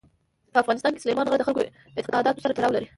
په افغانستان کې سلیمان غر د خلکو د اعتقاداتو سره تړاو لري.